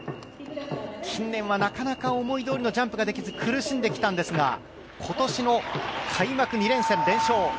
近年はなかなか思いどおりのジャンプができず苦しんできたんですが今年の開幕２連戦連勝。